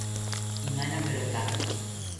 Imanaperotaka